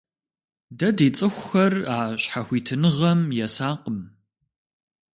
Дэ ди цӀыхухэр а щхьэхуитыныгъэм есакъым.